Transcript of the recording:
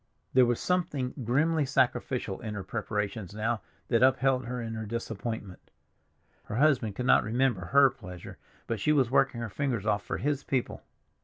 There was something grimly sacrificial in her preparations now that upheld her in her disappointment; her husband could not remember her pleasure, but she was working her fingers off for his people.